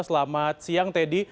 selamat siang teddy